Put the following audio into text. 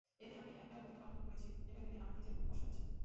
এতে আমি একটা ভূমিকা পালন করেছি এটা ভেবে আমার নিজের কষ্ট হচ্ছে।